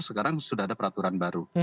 sekarang sudah ada peraturan baru